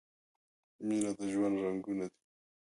مینه د ژوند رنګونه دي.